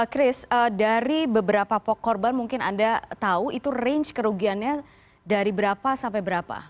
chris dari beberapa korban mungkin anda tahu itu range kerugiannya dari berapa sampai berapa